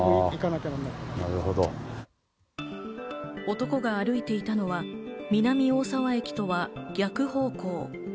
男が歩いていたのは南大沢駅とは逆方向。